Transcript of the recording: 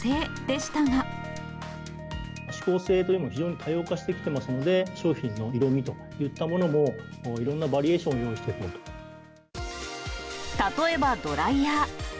しこう性というのも非常に多様化してきておりますので、商品の色味といったものも、いろんなバリエーションを用意し例えばドライヤー。